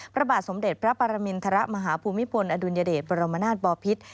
พระบาทสมเด็จพระปรมินทรมาฮภูมิพลอดุลยเดชบรมนาศบอพิษ